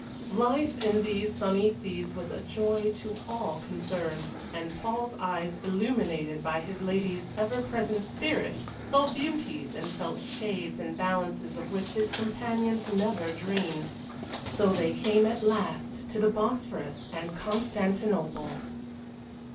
Life in these sunny seas was a joy to all concerned, and Paul's eyes illuminated by his lady's ever present spirit saw beauties and felt shades and balances of which his companions never dreamed. So they came at last to the Bosphorus and Constantinople.